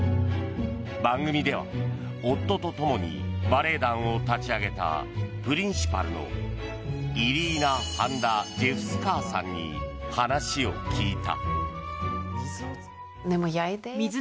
番組では夫ともにバレエ団を立ち上げたプリンシパルのイリーナ・ハンダジェフスカーさんに話を聞いた。